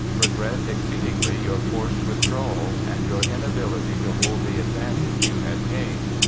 Regret exceedingly your forced withdrawal, and your inability to hold the advantage you had gained."